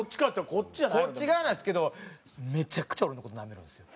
こっち側なんですけどめちゃくちゃ俺の事ナメるんですよ。